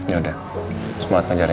ya udah semangat ngajar ya